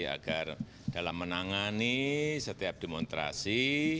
agar dalam menangani setiap demonstrasi